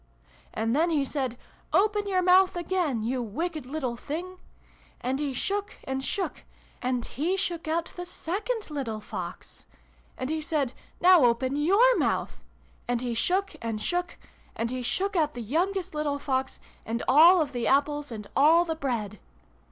And then he said ' Open your mouth again, you wicked little thing !' And he shook, and shook ! And he shook out the second little R 2 244 SYLVIE AND BRUNO CONCLUDED. Fox ! And he said ' Now open your mouth !' And he shook, and shook ! And he shook out the youngest little Fox, and all the Apples, and all the Bread